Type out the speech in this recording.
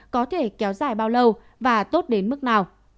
có thể kéo dài bao lâu và tốt đến mức nào